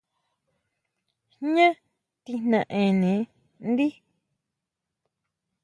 ¿Jñá tijnaene ndí?